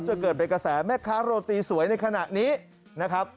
จนเกิดเป็นกระแสแม่ค้าโรตีสวยในขณะนี้นะครับ